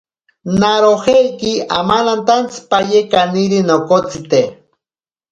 Narojeiki amanantantsipaye kaniri nokotsite.